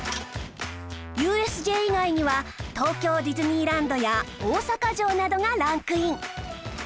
ＵＳＪ 以外には東京ディズニーランドや大阪城などがランクイン